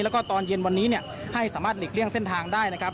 แล้วก็ตอนเย็นวันนี้ให้สามารถหลีกเลี่ยงเส้นทางได้นะครับ